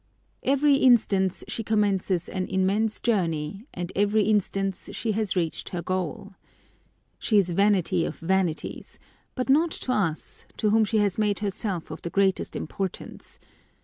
Every instant she commences an immense joumney, and ev ery instant she has reached her goal. She is vanity of vanities; but not to us, to whom she has made herself of the greatest importance.